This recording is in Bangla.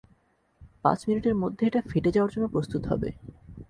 পাচ মিনিটের মধ্যে এটা ফেটে যাওয়ার জন্য প্রস্তুত হবে।